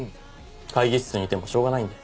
会議室にいてもしょうがないんで。